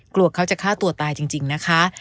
กลัวเขาจะฆ่าตัวตายจริงนะคะ